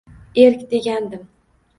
Erk degandim